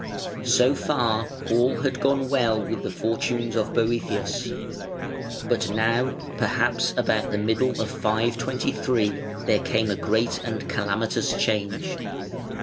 ] So far all had gone well with the fortunes of Boëthius; but now, perhaps about the middle of 523, there came a great and calamitous change.